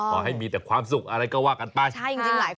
ขอให้มีแต่ความสุขอะไรก็ว่ากันไป